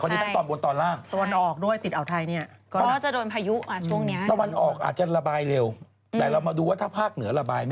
คนนี้ต้องตอนบนตอนล่างนี้ครับ